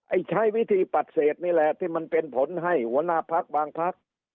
ไอ้ใช้วิธีปัดเศษนี่แหละที่มันเป็นผลให้วนาพักบางพัก